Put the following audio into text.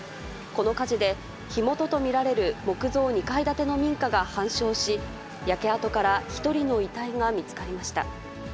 この火事で、火元と見られる木造２階建ての民家が半焼し、焼け跡から１人の遺体が見つかりました。